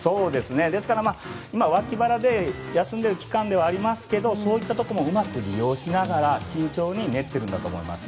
ですから、脇腹で休んでいる期間ではありますがそういったところもうまく利用しながら慎重に練っているんだと思います。